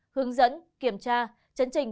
hướng dẫn kiểm tra chấn trình